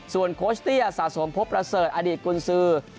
ส่วนโค้ชเตี้ยสาสมพบระเสริฐอดีตกลุ่นซื้อ